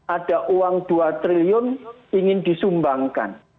ada uang dua triliun ingin disumbangkan